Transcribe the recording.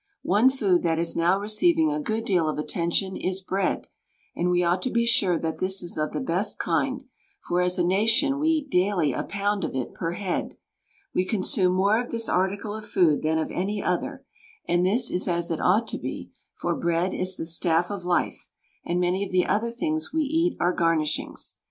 One food that is now receiving a good deal of attention is bread, and we ought to be sure that this is of the best kind, for as a nation we eat daily a pound of it per head. We consume more of this article of food than of any other, and this is as it ought to be, for bread is the staff of life, and many of the other things we eat are garnishings.